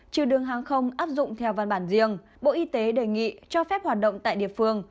trừ đường hàng không áp dụng theo văn bản riêng bộ y tế đề nghị cho phép hoạt động tại địa phương